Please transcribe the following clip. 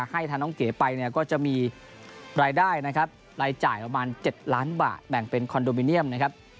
ให้ทางน้องเก๋ไปเนี่ยก็จะมีรายได้นะครับรายจ่ายประมาณ๗ล้านบาทแบ่งเป็นคอนโดมิเนียมนะครับ